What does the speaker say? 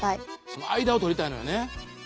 その間を取りたいのよね。